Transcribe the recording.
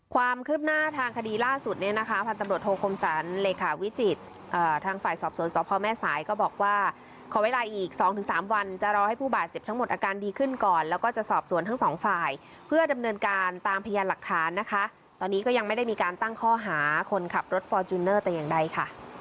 ความคืบหน้าทางคดีล่าสุดเนี่ยนะคะพันตำรวจโทคมสรรเลขาวิจิตรทางฝ่ายสอบสวนสพแม่สายก็บอกว่าขอเวลาอีก๒๓วันจะรอให้ผู้บาดเจ็บทั้งหมดอาการดีขึ้นก่อนแล้วก็จะสอบสวนทั้งสองฝ่ายเพื่อดำเนินการตามพยานหลักฐานนะคะตอนนี้ก็ยังไม่ได้มีการตั้งข้อหาคนขับรถฟอร์จูเนอร์แต่อย่างใดค่ะ